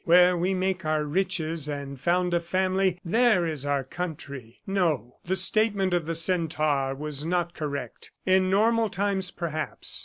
"Where we make our riches, and found a family there is our country." No, the statement of the centaur was not correct. In normal times, perhaps.